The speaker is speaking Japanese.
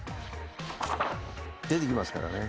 出てきますからね。